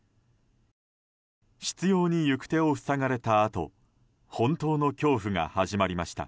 執拗に行く手を塞がれたあと本当の恐怖が始まりました。